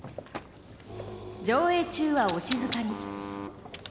上映中はお静かに」。